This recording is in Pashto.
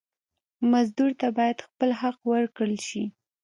مزدور ته باید خپل حق ورکړل شي.